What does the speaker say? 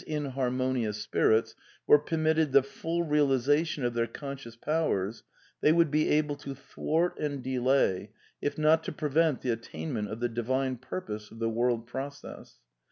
inharmonious spirits were permitted the full realization of their conscious powers, they would be able to thwart and delay, if not to prevent the attainment of the divine purpose of the world process